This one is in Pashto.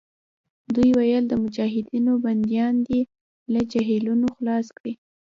دوی ویل د مجاهدینو بندیان دې له جېلونو خلاص کړي.